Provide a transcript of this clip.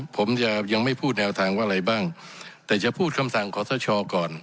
ผมจะยังไม่พูดแนวทางว่าอะไรบ้างแต่จะพูดคำสั่งขอสชก่อน